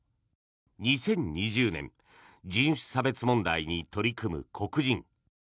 ２０２０年人種差別問題に取り組む黒人